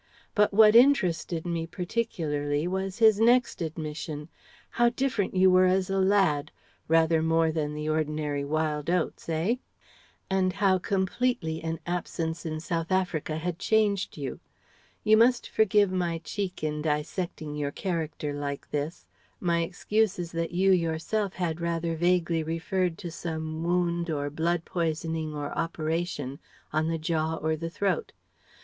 But what interested me particularly was his next admission: how different you were as a lad rather more than the ordinary wild oats eh? And how completely an absence in South Africa had changed you. You must forgive my cheek in dissecting your character like this. My excuse is that you yourself had rather vaguely referred to some wound or blood poisoning or operation, on the jaw or the throat.